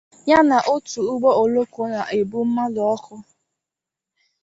ya na otu ụgbọ òlòkó na-ebu mmadụ ọkụ